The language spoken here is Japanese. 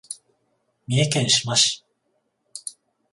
三重県志摩市